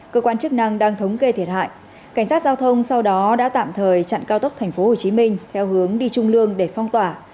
cơ quan chức năng đang thống kê thiệt hại cảnh sát giao thông sau đó đã tạm thời chặn cao tốc tp hcm theo hướng đi trung lương để phong tỏa